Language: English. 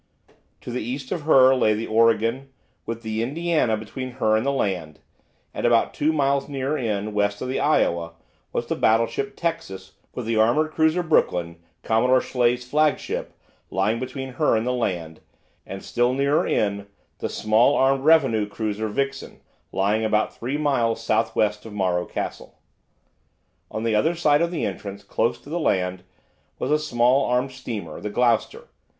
To the east of her lay the "Oregon," with the "Indiana" between her and the land, and about two miles nearer in, west of the "Iowa," was the battleship "Texas," with the armoured cruiser "Brooklyn," Commodore Schley's flagship, lying between her and the land, and still nearer in the small armed revenue cruiser "Vixen," lying about three miles south west of Morro Castle. On the other side of the entrance, close in to the land, was a small armed steamer, the "Gloucester."